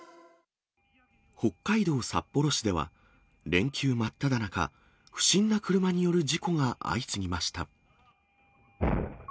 北海道札幌市では、連休真っただ中、不審な車による事故が相次ぎました。